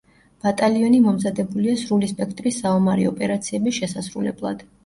ბატალიონი მომზადებულია სრული სპექტრის საომარი ოპერაციების შესასრულებლად.